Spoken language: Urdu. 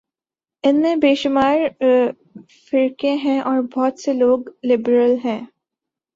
ان میں بے شمار فرقے ہیں اور بہت سے لوگ لبرل ہیں۔